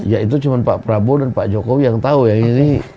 ya itu cuma pak prabowo dan pak jokowi yang tahu ya ini